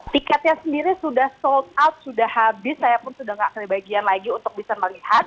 tiketnya sendiri sudah sold out sudah habis saya pun sudah tidak kebagian lagi untuk bisa melihat